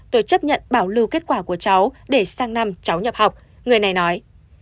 tôi chấp nhận bảo lưu kết quả của cháu để sang năm cháu nhập học người này nói